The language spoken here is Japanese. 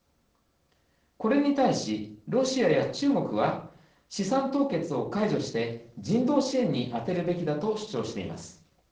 これに対しロシアや中国は資産凍結を解除して人道支援に充てるべきだと主張しています。